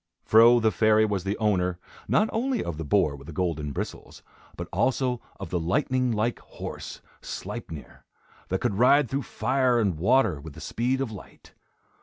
Fro the fairy was the owner, not only of the boar with the golden bristles, but also of the lightning like horse, Sleipnir, that could ride through fire and water with the speed of light.